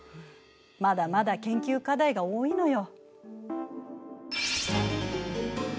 まだまだ研究課題が多いのよ。